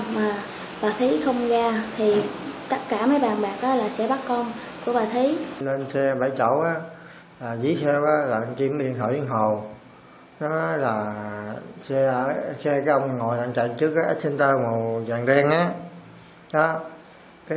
mà bà thí không ra thì tất cả mấy bà mẹ sẽ bắt con của bà thí